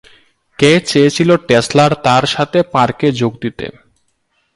কে চেয়েছিল টেসলার তাঁর সাথে পার্কে যোগ দিতে।